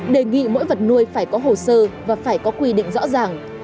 đề nghị mỗi vật nuôi phải có hồ sơ và phải có quy định rõ ràng